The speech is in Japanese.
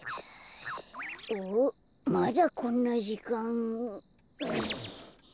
おっまだこんなじかん。